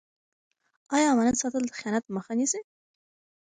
آیا امانت ساتل د خیانت مخه نیسي؟